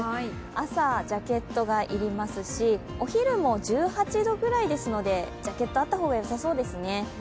朝、ジャケットが要りますしお昼も１８度ぐらいですのでジャケットはあった方がよさそうですね。